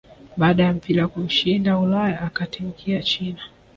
baada ya mpira kumshinda Ulaya akatimkia china